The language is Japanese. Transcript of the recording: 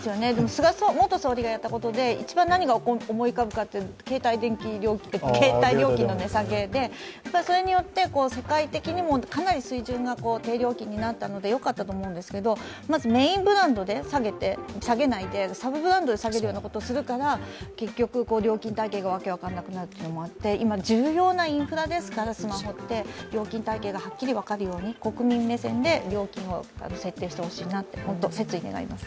菅総理がやったことで一番何が思い浮かぶかというと携帯料金の値下げであってそれによって、世界的にもかなり水準が低料金になったのでよかったと思うんですがまずメインブランドで下げないでサブブランドで下げるようなことをするから結局、料金体系が訳分からなくなるので今重要なインフラですからスマホって料金体系がはっきり分かるように、国民目線で料金を設定してほしいと切に願います。